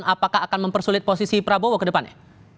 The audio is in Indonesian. apakah akan mempersulit posisi prabowo ke depannya